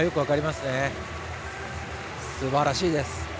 すばらしいです。